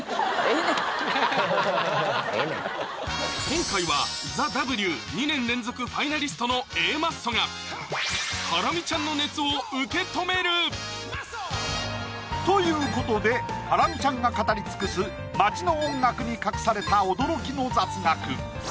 今回は「ＴＨＥＷ」２年連続ファイナリストの「Ａマッソ」がハラミちゃんの熱を受け止めるということでハラミちゃんが語り尽くす街の音楽に隠された驚きの雑学！